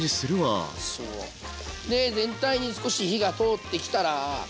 で全体に少し火が通ってきたら。